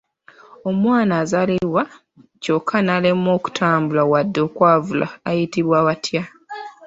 Omwana azaalibwa ky'okka n'alemwa okutambula wadde okwavula ayitibwa atya?